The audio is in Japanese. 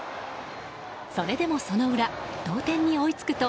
それでもその裏同点に追いつくと